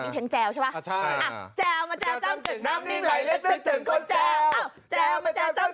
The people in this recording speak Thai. ต้องแบบมีเพลงแจวใช่เปล่า